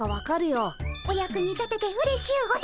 お役に立ててうれしゅうございます。